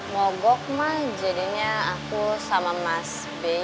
mogok ma jadinya aku sama mas bey